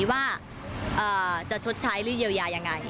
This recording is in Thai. ว่าจะชดใช้รีเยียวยาอย่างไร